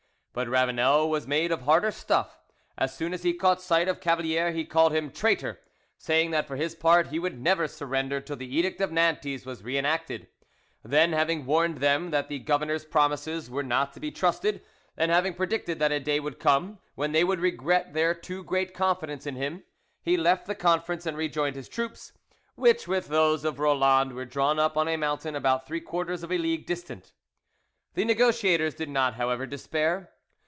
But Ravanel was made of harder stuff: as soon as he caught sight of Cavalier he called him "traitor," saying that for his part he would never surrender till the Edict of Nantes was re enacted; then, having warned them that the governor's promises were not to be trusted, and having predicted that a day would come when they would regret their too great confidence in him, he left the conference and rejoined his troops, which, with those of Roland, were drawn up on a mountain about three quarters of a league distant. The negotiators did not, however, despair.